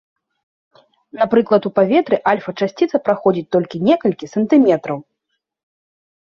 Напрыклад, у паветры альфа-часціца праходзіць толькі некалькі сантыметраў.